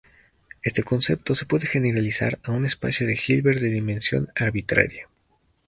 Este concepto se puede generalizar a un espacio de Hilbert de dimensión arbitraria.